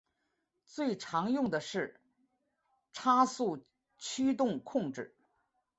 最常用的是差速驱动控制。